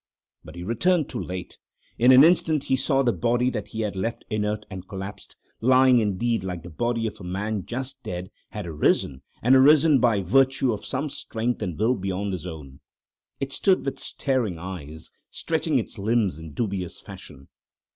But he returned too late. In an instant he saw the body that he had left inert and collapsed—lying, indeed, like the body of a man just dead—had arisen, had arisen by virtue of some strength and will beyond his own. It stood with staring eyes, stretching its limbs in dubious fashion.